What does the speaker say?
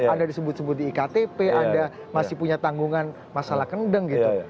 anda disebut sebut di iktp anda masih punya tanggungan masalah kendeng gitu